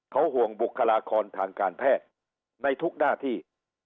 เขาห่วงบุคลากรทางการแพทย์ในทุกหน้าที่